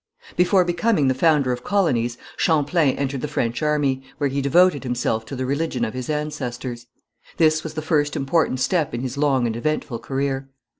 Before becoming the founder of colonies, Champlain entered the French army, where he devoted himself to the religion of his ancestors. This was the first important step in his long and eventful career.